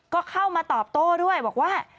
ก็เข้ามาตอบโต้ด้วยบอกว่า